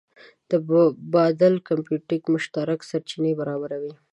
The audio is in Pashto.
د بادل کمپیوټینګ مشترک سرچینې برابروي.